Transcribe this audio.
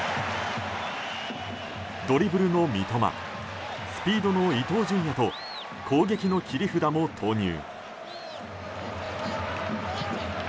ドリブルの三笘スピードの伊東純也と攻撃の切り札も投入。